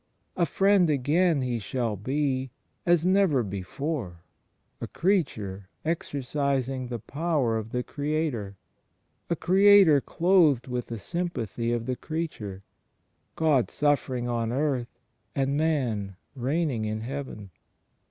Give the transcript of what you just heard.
A Friend again He shall be, as never before: a Creature exercising the power of the Creator: a Creator clothed with the sympathy of the Creature; God suffering on earth, and Man reigning in Heaven.